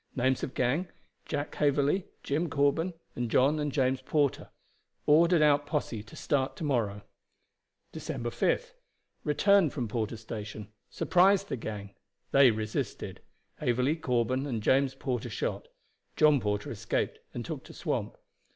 Names of gang, Jack Haverley, Jim Corben, and John and James Porter. Ordered out posse to start to morrow. "December 5th. Returned from Porter's Station. Surprised the gang. They resisted. Haverley, Corben, and James Porter shot. John Porter escaped, and took to swamp.